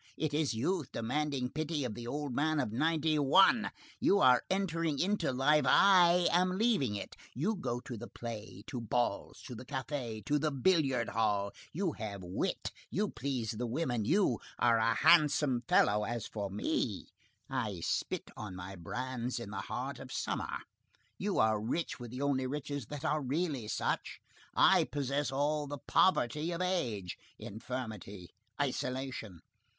It is youth demanding pity of the old man of ninety one! You are entering into life, I am leaving it; you go to the play, to balls, to the café, to the billiard hall; you have wit, you please the women, you are a handsome fellow; as for me, I spit on my brands in the heart of summer; you are rich with the only riches that are really such, I possess all the poverty of age; infirmity, isolation!